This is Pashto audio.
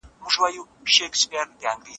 خپل اخلاق به د خلګو لپاره ښه بیلګه جوړوئ.